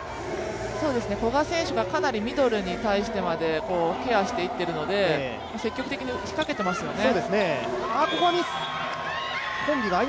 古賀選手がかなりミドルに対してまでケアしていっているので積極的に仕掛けていますよね。